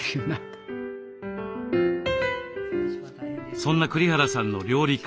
そんな栗原さんの料理開発。